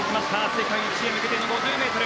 世界一へ向けての５０ｍ。